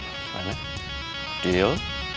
jadi gimana deal